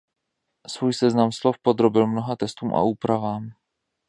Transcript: Svůj seznam slov podrobil mnoha testům a úpravám.